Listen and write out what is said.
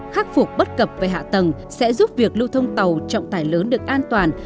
khắc phục bất cập về hạ tầng sẽ giúp việc lưu thông tàu trọng tải lớn được an toàn